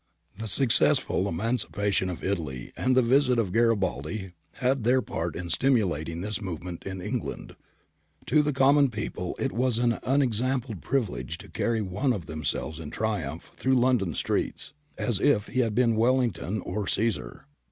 The successful emancipation of Italy and the visit of Gari baldi had their part in stimulating this movement in England. To the common people it was an unexampled privilege to carry one of themselves in triumph through London streets, as if he had been Wellington or Caesar.